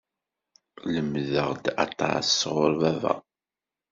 Lemmdeɣ-d aṭas sɣur baba.